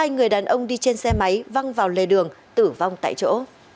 hai người đàn ông đi trên xe máy văng vào lề đường tử vong tại chỗ